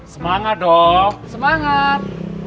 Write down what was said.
semangat dong semangat